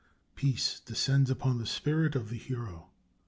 Peace descends upon the spirit of the Hero.